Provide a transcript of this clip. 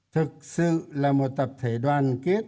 thực sự là một tập thể đoàn kết